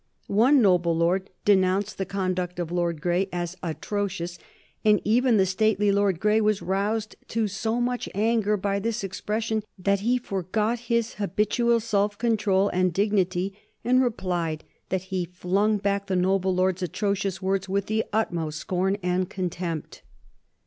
One noble lord denounced the conduct of Lord Grey as atrocious, and even the stately Lord Grey was roused to so much anger by this expression that he forgot his habitual self control and dignity and replied that he flung back the noble lord's atrocious words with the utmost scorn and contempt.